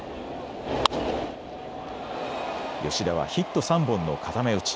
吉田はヒット３本の固め打ち。